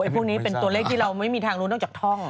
พวกนี้เป็นตัวเลขที่เราไม่มีทางรู้นอกจากท่อง